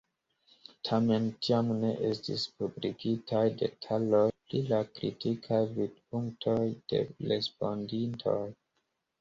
Tamen tiam ne estis publikigitaj detaloj pri la kritikaj vidpunktoj de respondintoj.